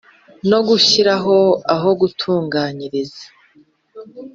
no gushyiraho aho gutunganyiriza